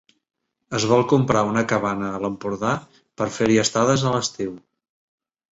Es vol comprar una cabana a l'Empordà per fer-hi estades a l'estiu.